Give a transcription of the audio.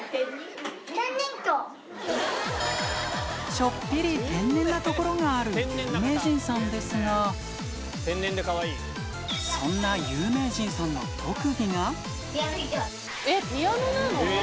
ちょっぴり天然なところがある有名人さんですが、そんな有名人さんの特技が。